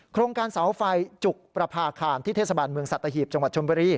โครงการเสาไฟจุกประพาคารที่เทศบาลเมืองสัตหีบจังหวัดชมบุรี